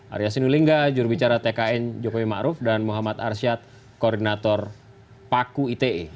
arya sinulinga jurubicara tkn jokowi ma'ruf dan muhammad arsyad koordinator paku ite